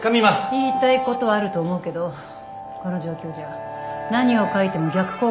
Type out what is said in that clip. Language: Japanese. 言いたいことはあると思うけどこの状況じゃ何を書いても逆効果にしかならない。